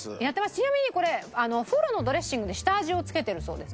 ちなみにこれフォロのドレッシングで下味をつけてるそうです。